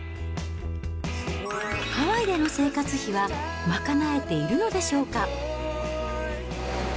ハワイでの生活費は、賄えているのでしょうか。